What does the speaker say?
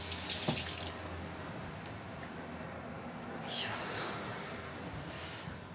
いや。